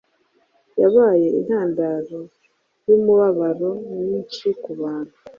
Yabaye intandaro yumubabaro mwinshi kubantu